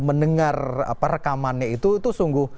mendengar rekamannya itu sungguh